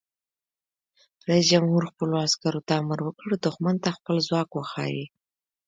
رئیس جمهور خپلو عسکرو ته امر وکړ؛ دښمن ته خپل ځواک وښایئ!